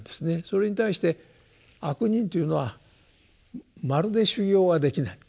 それに対して「悪人」というのはまるで修行はできない。